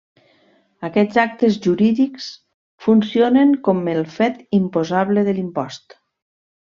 Aquests actes jurídics funcionen com el fet imposable de l'impost.